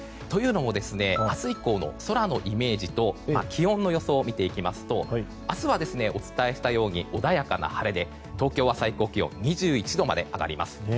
というのも明日以降の空のイメージと気温の予想を見ていきますと明日はお伝えしたように穏やかな晴れで東京は最高気温２１度まで上がります。